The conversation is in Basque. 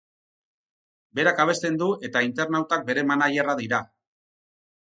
Berak abesten du eta internautak bere managerra dira.